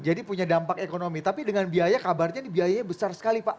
jadi punya dampak ekonomi tapi dengan biaya kabarnya ini biayanya besar sekali pak